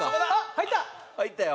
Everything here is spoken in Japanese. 入ったよ。